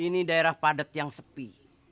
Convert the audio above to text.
ini daerah padat yang sepi